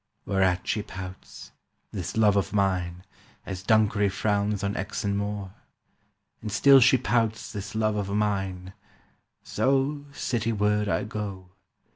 "Whereat she pouts, this Love of mine, As Dunkery frowns on Exon Moor, And still she pouts, this Love of mine, So cityward I go.